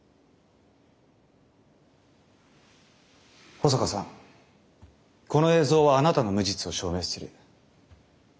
保坂さんこの映像はあなたの無実を証明する確たる証拠です。